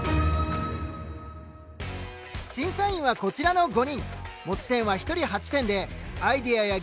審査員はこちらの５人。